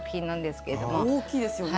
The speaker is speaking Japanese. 大きいですよね。